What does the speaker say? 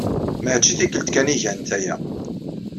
Maci tikkelt kan ay gant aya.